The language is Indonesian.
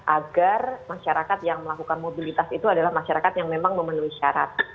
agar masyarakat yang melakukan mobilitas itu adalah masyarakat yang memang memenuhi syarat